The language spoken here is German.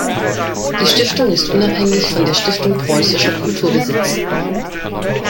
Die Stiftung ist unabhängig von der Stiftung Preußischer Kulturbesitz.